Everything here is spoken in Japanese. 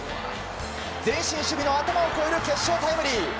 前進守備の頭を越える決勝タイムリー。